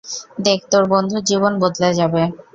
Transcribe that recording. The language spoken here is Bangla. দেখ, তোর বন্ধুর জীবন বদলে যাবে।